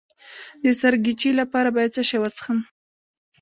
د سرګیچي لپاره باید څه شی وڅښم؟